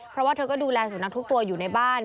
เพราะว่าเธอก็ดูแลสุนัขทุกตัวอยู่ในบ้าน